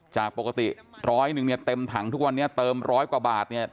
จากปกติร้อยหนึ่งเนี่ยเต็มถังทุกวันนี้เติมร้อยกว่าบาทเนี่ย